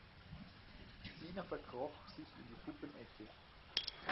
Sina verkroch sich in die Puppenecke.